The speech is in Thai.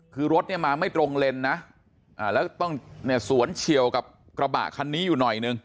คือรถเนี่ยมาไม่ตรงเลนนะแล้วต้องเนี่ยสวนเฉียวกับกระบะคันนี้อยู่หน่อยนึง